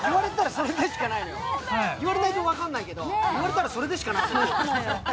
そうなの、言われないと分かんないけど、言われたらそれでしかないのよ。